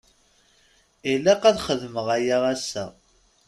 Ilaq ad xedmeɣ aya ass-a.